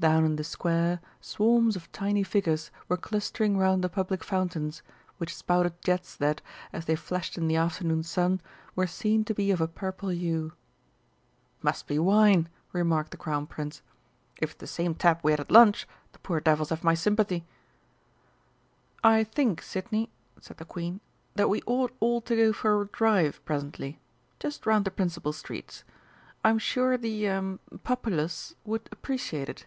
Down in the square swarms of tiny figures were clustering round the public fountains, which spouted jets that, as they flashed in the afternoon sun, were seen to be of a purple hue. "Must be wine," remarked the Crown Prince. "If it's the same tap we had at lunch, the poor devils have my sympathy!" "I think, Sidney," said the Queen, "that we ought all to go for a drive presently just round the principal streets. I'm sure the a populace would appreciate it."